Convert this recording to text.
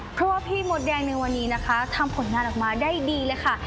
เพราะว่าพี่มดแดงในวันนี้นะคะทำผลงานออกมาได้ดีเลยค่ะ